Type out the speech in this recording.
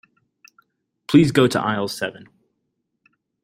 Please go to aisle seven.